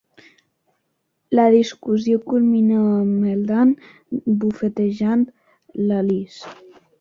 La discussió culmina amb el Dan bufetejant l'Alice.